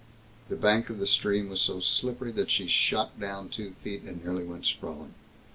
The bank of the stream was so slippery that she shot down two feet, and nearly went sprawling.